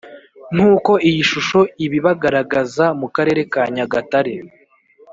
Nk uko iyi shusho ibibagaraza mu karere ka Nyagatare